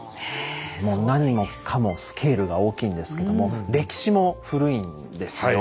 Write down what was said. もう何もかもスケールが大きいんですけども歴史も古いんですよ。